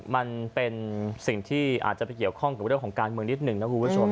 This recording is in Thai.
มันเป็นสิ่งที่อาจจะไปเกี่ยวข้องกับเรื่องของการเมืองนิดหนึ่งนะคุณผู้ชม